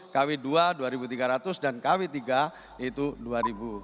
kw dua rp dua tiga ratus dan kw tiga yaitu rp dua